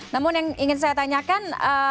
namun yang ingin saya tanyakan